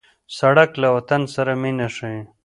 سړک له وطن سره مینه ښيي.